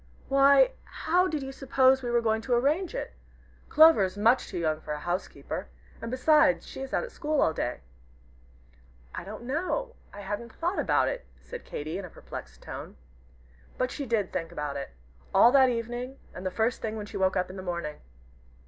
"Why, how did you suppose we were going to arrange it? Clover is much too young for a housekeeper. And beside, she is at school all day." "I don't know I hadn't thought about it," said Katy, in a perplexed tone. But she did think about it all that evening, and the first thing when she woke in the morning.